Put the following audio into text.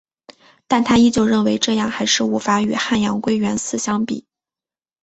但她依旧认为这样还是无法与汉阳归元寺相比。